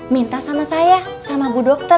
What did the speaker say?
minta sama saya sama bu dokter